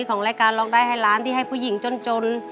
ของรายการร้องได้ให้ล้านที่ให้ผู้หญิงจน